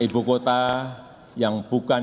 ibu kota yang bukannya